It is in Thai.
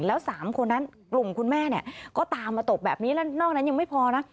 แล้ว๓คนนั้นกลุ่มคุณแม่เนี่ยก็ตามมาตบแบบนี้แล้วนอกนั้นยังไม่พอนะ